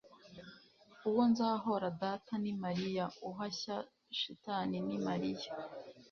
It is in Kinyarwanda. uwo nzahora ndata ni mariya, uhashya shitani ni mariya